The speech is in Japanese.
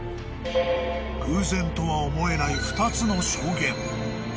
［偶然とは思えない２つの証言］